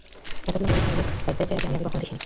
এতগুলো মরু ভালুক এক জায়গায় আগে আমি কখনো দেখিনি।